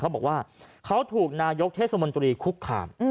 เขาบอกว่าเขาถูกนายกเทศมนตรีคุกคาม